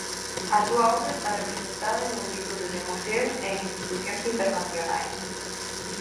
A súa obra está representada en multitude de museos e en institucións internacionais.